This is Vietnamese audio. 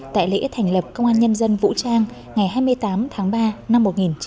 tại lễ thành lập công an nhân dân vũ trang ngày hai mươi tám tháng ba năm một nghìn chín trăm bảy mươi năm